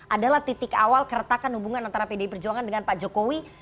adalah titik awal keretakan hubungan antara pdi perjuangan dengan pak jokowi